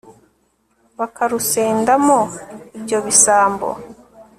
Bakarusendamo ibyo bisambo